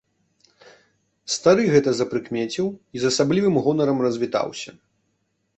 Стары гэта запрыкмеціў і з асаблівым гонарам развітаўся.